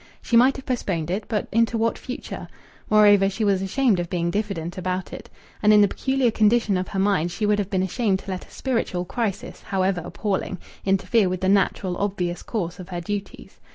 She might have postponed it, but into what future? Moreover, she was ashamed of being diffident about it. And, in the peculiar condition of her mind, she would have been ashamed to let a spiritual crisis, however appalling, interfere with the natural, obvious course of her duties.